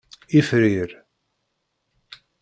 Ifrir.